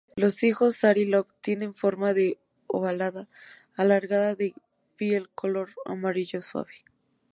Los higos Sari Lop tienen forma de ovalada alargada, de piel color amarillo suave.